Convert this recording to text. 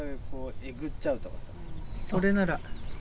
これなら。